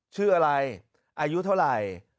ชื่ออะไรอายุเท่าไหร่